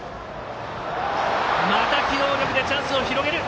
機動力でチャンスを広げる！